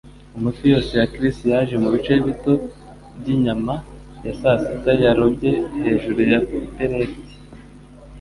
Amafi yose ya Chris yaje mu bice bito byinyama ya sasita yarobye hejuru ya pellet.